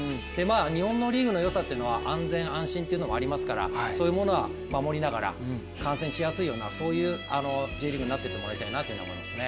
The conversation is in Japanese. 日本のリーグのよさは安全・安心というのがありますからそういうものは守りながら観戦しやすいようなＪリーグになってってほしいなと思いますね。